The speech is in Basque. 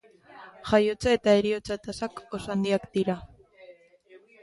Jaiotza- eta heriotza-tasak oso handiak dira.